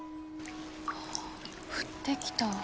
ああ降ってきた。